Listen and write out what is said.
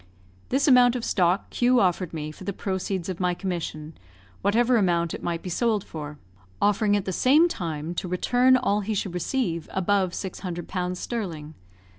This amount of stock Q offered me for the proceeds of my commission, whatever amount it might be sold for; offering at the same time to return all he should receive above 600 pounds sterling.